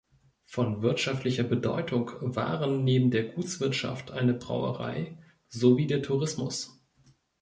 Von wirtschaftlicher Bedeutung waren neben der Gutswirtschaft eine Brauerei sowie der Tourismus.